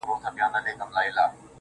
o ها د فلسفې خاوند ها شتمن شاعر وايي.